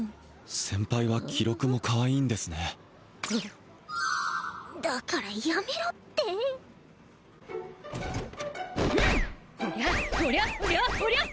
先輩は記録もかわいいんですねだからやめろってフン！